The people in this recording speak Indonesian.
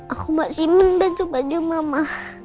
aku mau simpan baju baju mama